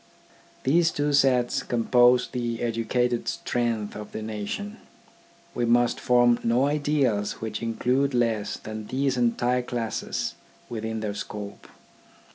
These two sets compose the educated strength of the nation. We must form no ideals which include less than these entire classes within their scope.